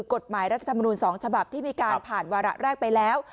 กฎหมายรัฐมนุน๒ฉบับที่มีการผ่านวาระแรกไปแล้ว